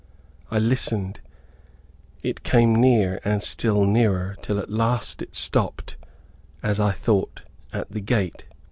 I listened; it came near, and still nearer, till at last it stopped, as I thought, at the gate.